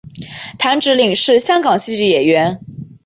谭芷翎是香港戏剧演员。